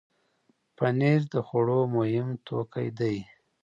پنېر د خوړو مهم توکی دی.